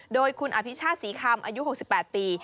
โดยคุณอภิชาติศรีคำอายุ๖๘ปี